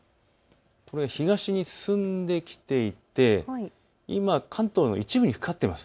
これ、東に進んできていて今、関東の一部にかかっています。